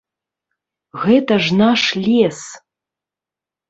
Гэта ж наш лес!